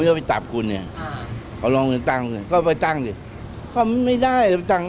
ท่านค้าสถานกลุ่มนักประชาอินเขาก็ยินถึงบอกว่าถ้าตั้งแล้วจะไม่เคลื่อนไหวต่อตั้ง